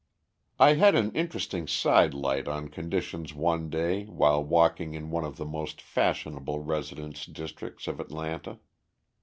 I had an interesting side light on conditions one day while walking in one of the most fashionable residence districts of Atlanta.